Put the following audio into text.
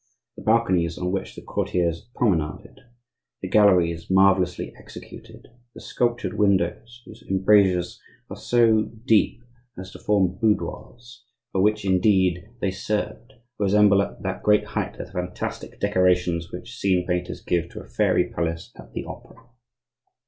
The balconies on which the courtiers promenaded; the galleries, marvellously executed; the sculptured windows, whose embrasures are so deep as to form boudoirs—for which indeed they served—resemble at that great height the fantastic decorations which scene painters give to a fairy palace at the opera.